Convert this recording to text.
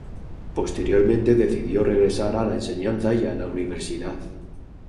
Posteriormente decidió regresar a la enseñanza y a la universidad.